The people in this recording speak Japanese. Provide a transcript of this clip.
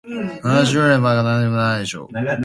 知らなければ悲しくはならないでしょ？